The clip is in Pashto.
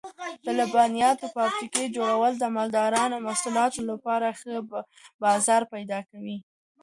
د لبنیاتو د فابریکو جوړول د مالدارانو د محصولاتو لپاره ښه بازار پیدا کوي.